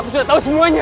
aku sudah tahu semuanya